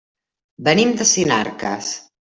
Venim de Sinarques.